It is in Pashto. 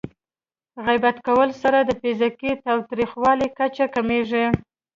غیبت کولو سره د فزیکي تاوتریخوالي کچه کمېږي.